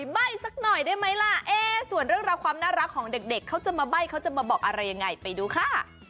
ใบ้สักหน่อยได้ไหมล่ะส่วนเรื่องราวความน่ารักของเด็กเขาจะมาใบ้เขาจะมาบอกอะไรยังไงไปดูค่ะ